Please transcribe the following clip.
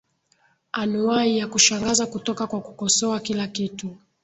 anuwai ya kushangaza kutoka kwa kukosoa kila kitu